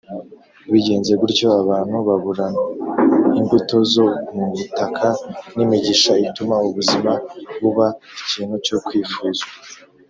Bigenze gutyo, abantu babura imbuto zo mu butaka n’imigisha ituma ubuzima buba ikintu cyo kwifuzwa.